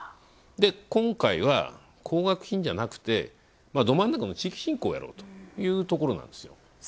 今回は、高額品じゃなくてど真ん中の地域振興やろうというところなんですよ。